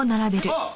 あっ！